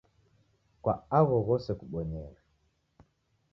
Kwa agho ghose kubonyere.